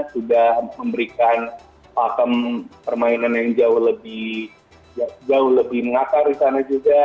sudah memberikan pakem permainan yang jauh lebih mengakar di sana juga